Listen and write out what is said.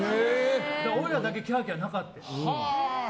俺らだけキャーキャーなかった。